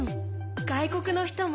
外国の人も。